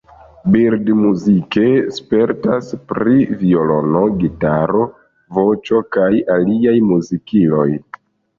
Bird muzike spertas pri violono, gitaro, voĉo kaj aliaj muzikiloj.